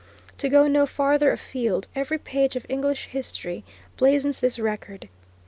To go no farther afield, every page of English history blazons this record.